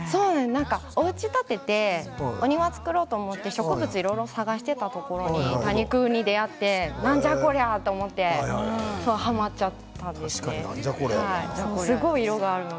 おうちを建ててお庭を作ろうと思っていろいろ植物を探していたところに多肉に出会って何じゃこりゃってはまってしまいました。